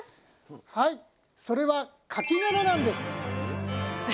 はいそれはかき殻なんです。